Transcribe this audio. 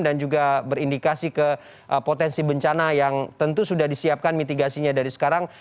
dan juga berindikasi ke potensi bencana yang tentu sudah disiapkan mitigasinya dari sekarang